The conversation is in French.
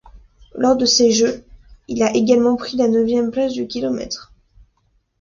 Lors de ces Jeux, il a également pris la neuvième place du kilomètre.